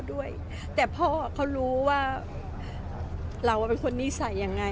ว่าเป็นยังไง